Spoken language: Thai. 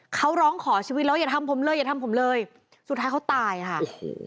เขาร้องขอชีวิตแล้วอย่าทำผมเลยอย่าทำผมเลยสุดท้ายเขาตายค่ะโอ้โห